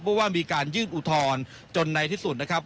เพราะว่ามีการยื่นอุทธรณ์จนในที่สุดนะครับ